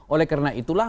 oleh karena itulah